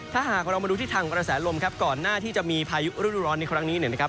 ถ้าหากเรามาดูที่ทางกระแสลมครับก่อนหน้าที่จะมีพายุฤดูร้อนในครั้งนี้เนี่ยนะครับ